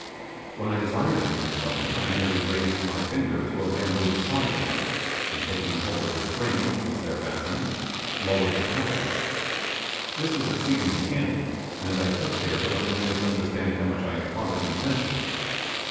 When I desired anything from it I merely raised my finger to a bamboo beside me, and taking hold of the string which was there fastened, lowered the package. This was exceedingly handy, and I took care to let the natives understand how much I applauded the invention.